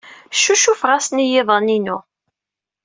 Ccucufeɣ-asen i yiḍan-inu.